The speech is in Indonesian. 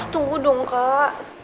tunggu dong kak